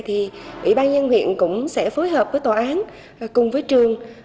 thì ủy ban dân huyện cũng sẽ phối hợp với tòa án cùng với trường